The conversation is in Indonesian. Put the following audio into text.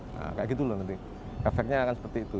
nah kayak gitu loh nanti efeknya akan seperti itu